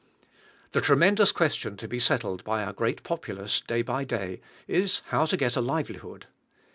The tremendous question to be settled by our great populace, day by day, is how to get a livelihood.